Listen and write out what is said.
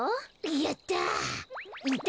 やった。